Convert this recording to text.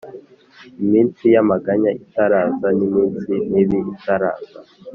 Iminsi yamaganya itaraza n’iminsi mibi itaraza